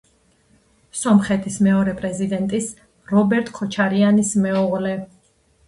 სომხეთის მეორე პრეზიდენტის, რობერტ ქოჩარიანის მეუღლე.